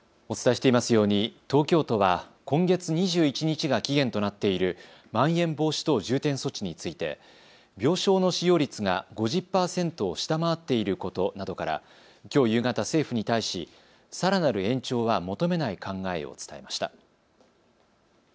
お伝えしていますように、東京都は今月２１日が期限となっているまん延防止等重点措置について病床の使用率が５０％を下回っていることなどからきょう夕方、政府に対しさらなる延長は求めない考えを伝えました。